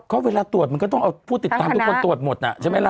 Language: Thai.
ก็เวลาตรวจมันก็ต้องเอาผู้ติดตามทุกคนตรวจหมดน่ะใช่ไหมล่ะ